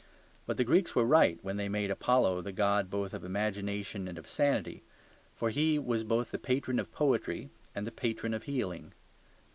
But the Greeks were right when they made Apollo the god both of imagination and of sanity; for he was both the patron of poetry and the patron of healing.